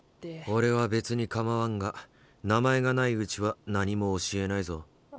オレは別にかまわんが名前がないうちは何も教えないぞ。